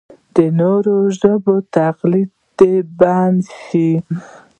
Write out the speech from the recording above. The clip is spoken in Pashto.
د نورو ژبو تقلید دې بند شي.